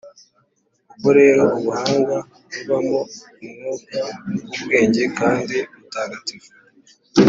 Koko rero, Ubuhanga bubamo umwuka w’ubwenge kandi mutagatifu,